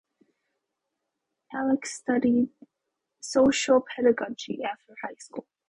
Allach studied social pedagogy after high school.